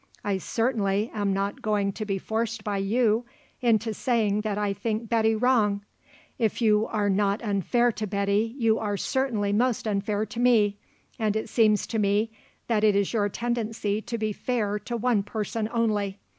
I certainly am not going to be forced by you into saying that I think Betty wrong. If you are not unfair to Betty you are certainly most unfair to me and it seems to me that it is your tendency to be fair to one person only.